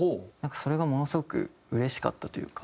それがものすごくうれしかったというか。